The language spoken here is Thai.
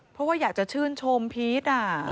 เพราะว่าอยากจะชื่นชมพีช